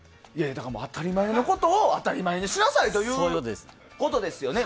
当たり前のことを当たり前にしなさいということですよね。